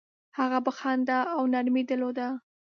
هغه به خندا او نرمي درلوده.